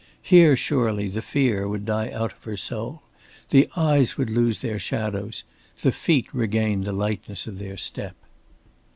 Here, surely the fear would die out of her soul, the eyes would lose their shadows, the feet regain the lightness of their step.